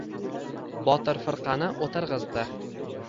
Botir firqani o‘tirg‘izdi.